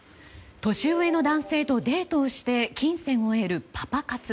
年上の男性とデートをして金銭を得るパパ活。